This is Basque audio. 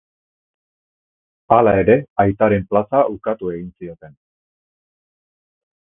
Hala ere, aitaren plaza ukatu egin zioten.